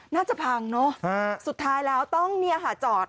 น่าจะพังเนอะสุดท้ายแล้วต้องหาจอด